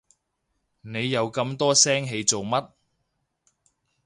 你又咁多聲氣做乜？